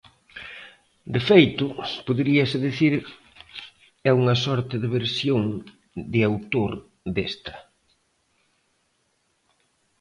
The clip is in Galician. De feito, poderíase dicir é unha sorte de versión "de autor" desta.